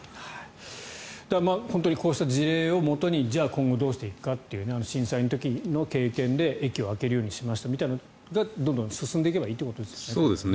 本当にこうした事例をもとにじゃあ今後どうしていくかという震災の時の経験で駅を開けるようにしましたみたいなことがどんどん進んでいけばいいということですよね。